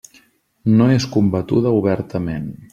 No és combatuda obertament.